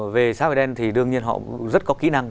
về xã hội đen thì đương nhiên họ rất có kỹ năng